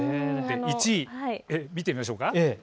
１位、見てみましょうか。